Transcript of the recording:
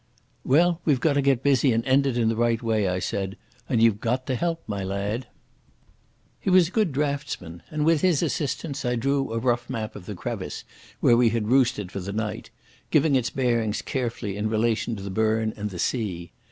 "Well, we've got to get busy and end it in the right way," I said. "And you've got to help, my lad." He was a good draughtsman, and with his assistance I drew a rough map of the crevice where we had roosted for the night, giving its bearings carefully in relation to the burn and the sea.